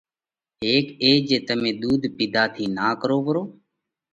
هيڪ اي جي تمي ۮُوڌ پِيڌا ٿِي نا ڪرو پرو